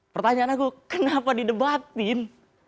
pertanyaan aku kenapa didebatin